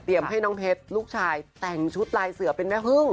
ให้น้องเพชรลูกชายแต่งชุดลายเสือเป็นแม่พึ่ง